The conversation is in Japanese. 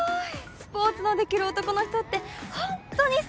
スポーツのできる男の人ってホントにすてきです。